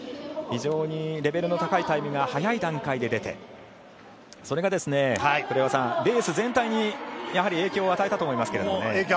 非常にレベルの高いタイムが早い段階で出てそれがレース全体に影響を与えたと思いますけど。